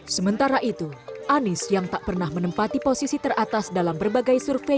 sementara itu anies yang tak pernah menempati posisi teratas dalam berbagai survei